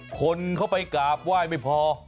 คนเข้าไปกราบไหว้ไม่พอ